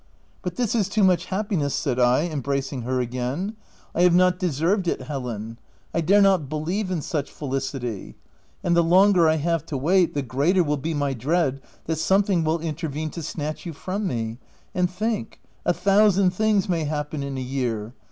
w But this is too much happiness," said I, embracing her again ;" I have not deserved 334 THE TENANT it Helen — I dare not believe in such felicity : and the longer I have to wait, the greater will be my dread that something will intervene to snatch you from me — and think, a thousand things may happen in a year